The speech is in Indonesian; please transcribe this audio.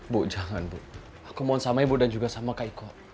bu jangan bu aku mohon sama ibu dan juga sama kak iko